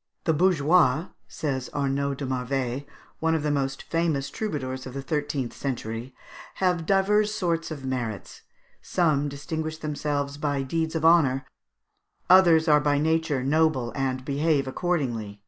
] "The bourgeois," says Arnaud de Marveil, one of the most famous troubadours of the thirteenth century, "have divers sorts of merits: some distinguish themselves by deeds of honour, others are by nature noble and behave accordingly.